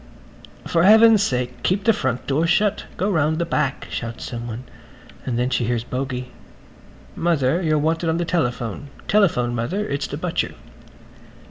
"For heaven's sake keep the front door shut! Go round to the back," shouts someone. And then she hears Bogey: "Mother, you're wanted on the telephone. Telephone, Mother. It's the butcher."